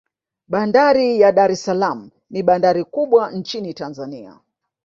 bandari ya dar es salaam ni bandari kubwa nchin tanzania